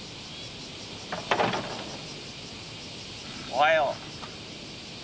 おはよう。